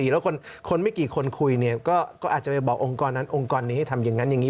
แล้วคนไม่กี่คนคุยเนี่ยก็อาจจะไปบอกองค์กรนั้นองค์กรนี้ให้ทำอย่างนั้นอย่างนี้